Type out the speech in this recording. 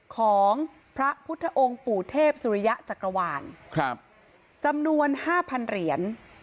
ของพระพุทธองค์ปู่เทพสุริยะจักรวาลครับจำนวนห้าพันเหรียญ